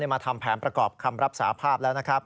มาทำแผนประกอบคำรับสาภาพแล้วนะครับ